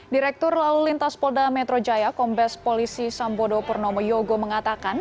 direktur lalu lintas polda metro jaya kombes polisi sambodo purnomo yogo mengatakan